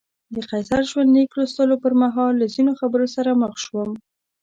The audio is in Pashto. د قیصر ژوندلیک لوستلو پر مهال له ځینو خبرو سره مخ شوم.